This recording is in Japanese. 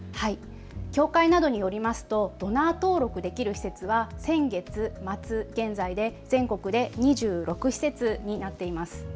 協会などによりますとドナー登録できる施設は先月末現在で全国で２６施設になっています。